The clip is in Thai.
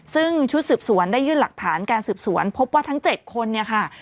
ซึ่งชุดสืบสวนได้ยื่นหลักฐานการสืบสวนพบว่าทั้ง๗คนเนี่ยค่ะ